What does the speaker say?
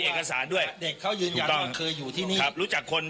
เอกสารด้วยเด็กเขายืนยันว่าเคยอยู่ที่นี่ครับรู้จักคน